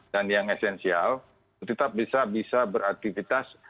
dan yang esensial tetap bisa bisa beraktivitas